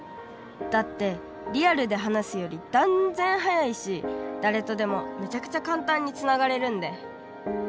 だってリアルで話すより断然早いし誰とでもメチャクチャ簡単につながれるんで。